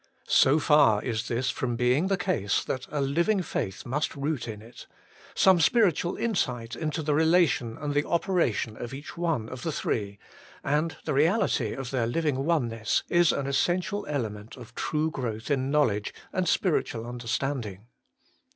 So far is this from being THE THRICE HOLY ONE. 109 the case, that a living faith must root in it : some spiritual insight into the relation and the operation of each of the Three, and the reality of their living Oneness, is an essential element of true growth in knowledge and spiritual understanding.